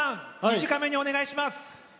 短めにお願いします。